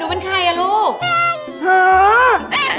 หนูเป็นใครล่ะลูก